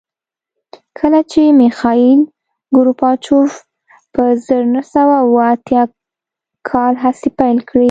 کله چې میخایل ګورباچوف په زر نه سوه اووه اتیا کال هڅې پیل کړې